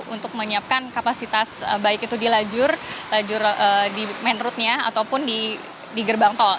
untuk menyiapkan kapasitas baik itu di lajur lajur di main roadnya ataupun di gerbang tol